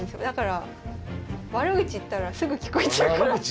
だから悪口言ったらすぐ聞こえちゃうから。